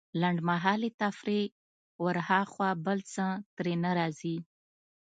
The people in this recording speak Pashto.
لنډمهالې تفريح وراخوا بل څه ترې نه راځي.